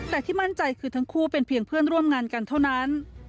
แต่ที่มั่นใจคือทั้งคู่เป็นเพียงเพื่อนร่วมงานกันเท่านั้น